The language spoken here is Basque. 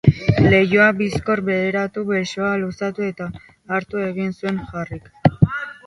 Leihoa bizkor beheratu, besoa luzatu eta hartu egin zuen Harryk.